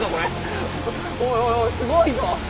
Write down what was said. おいおいおいすごいぞ！